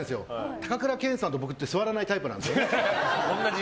高倉健さんと僕って座らないタイプなんですよ。